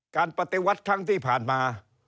ปฏิวัติครั้งที่ผ่านมา